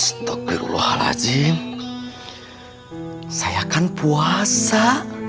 astaghfirullahaladzim saya akan puasa